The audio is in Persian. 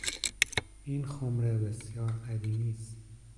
این خمره بسیار قدیمی است